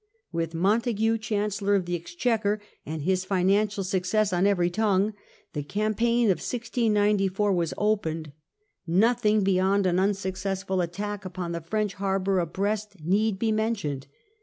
With Montague chancellor of the exchequer, and his financial success on every tongue, the campaign of 1694 The Whig was Opened ; nothing beyond an unsuccessful successes, attack upon the French harbour of Brest need be mentioned.